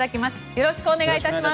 よろしくお願いします。